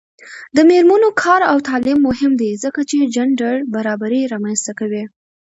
د میرمنو کار او تعلیم مهم دی ځکه چې جنډر برابري رامنځته کوي.